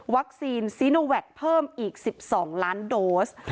ซีโนแวคเพิ่มอีก๑๒ล้านโดส